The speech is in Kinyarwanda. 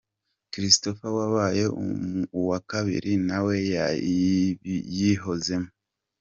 Christopher wabaye uwa kabiri nawe yayihozemo.